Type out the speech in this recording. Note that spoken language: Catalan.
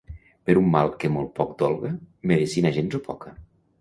Per un mal que molt poc dolga, medecina gens o poca.